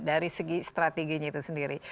dari segi strateginya itu sendiri